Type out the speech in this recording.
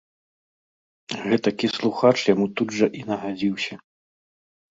Гэтакі слухач яму тут жа і нагадзіўся.